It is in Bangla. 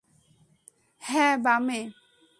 হ্যাঁ, বামে।